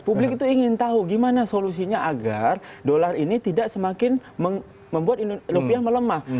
publik itu ingin tahu gimana solusinya agar dolar ini tidak semakin membuat rupiah melemah